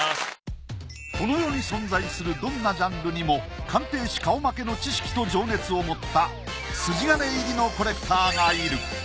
この世に存在するどんなジャンルにも鑑定士顔負けの知識と情熱を持った筋金入りのコレクターがいる。